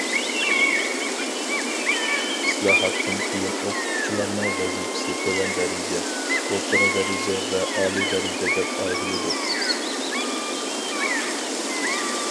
ئىسلاھاتتىن كېيىن ئوقۇتقۇچىلارنىڭ ۋەزىپىسى تۆۋەن دەرىجە، ئوتتۇرا دەرىجە ۋە ئالىي دەرىجە دەپ ئايرىلىدۇ.